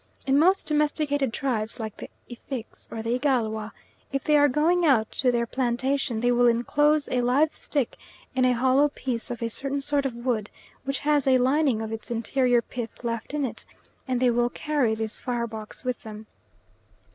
In most domesticated tribes, like the Effiks or the Igalwa, if they are going out to their plantation, they will enclose a live stick in a hollow piece of a certain sort of wood, which has a lining of its interior pith left in it, and they will carry this "fire box" with them.